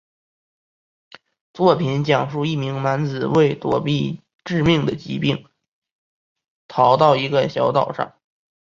作品讲述一名男子为躲避致命的疾病逃到一个小岛上。